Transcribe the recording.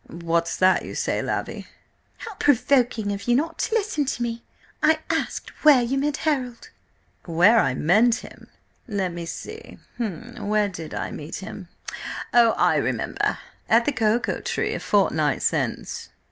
"What's that you say, Lavvy?" "How provoking of you not to listen to me! I asked where you met Harold." "Where I met him? Let me see–where did I meet him? Oh, I remember! At the Cocoa Tree, a fortnight since."